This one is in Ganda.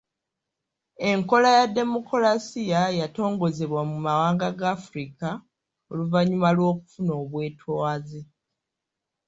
Enkola ya demokolasiya yatongozebwa mu mawanga ga Afirika oluvannyuma lw’okufuna obwetwaze.